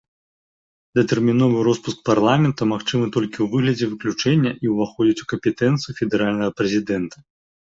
Датэрміновы роспуск парламента магчымы толькі ў выглядзе выключэння і ўваходзіць у кампетэнцыю федэральнага прэзідэнта.